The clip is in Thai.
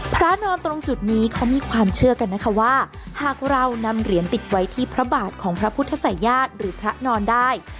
พระนอนตรงจุดนี้เขามีความเชื่อกันนะคะว่าหากเรานำเหรียญติดไว้ที่พระบาทของพระพุทธศัยญาติหรือพระนอนได้